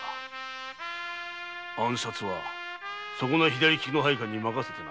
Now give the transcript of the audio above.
暗殺はそこな左利きの配下に任せてな。